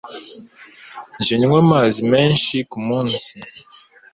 Jya unywa amazi menshi ku munsi